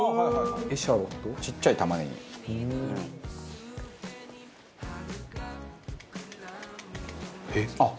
ちっちゃい玉ねぎ。えっ？